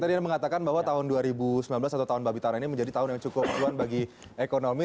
tadi anda mengatakan bahwa tahun dua ribu sembilan belas atau tahun babi tara ini menjadi tahun yang cukup cuan bagi ekonomi